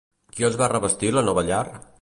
Qui els va revestir la nova llar?